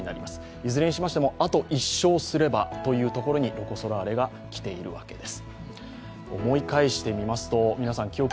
いずれにしましてもあと１勝すればというところにロコ・ソラーレが来ているわけです。